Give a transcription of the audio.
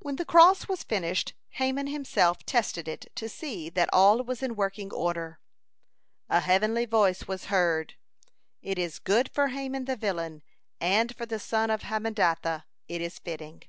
When the cross was finished, Haman himself tested it, to see that all was in working order. A heavenly voice was heard: "It is good for Haman the villain, and for the son of Hammedatha it is fitting."